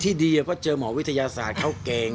ดีเพราะเจอหมอวิทยาศาสตร์เข้าเกง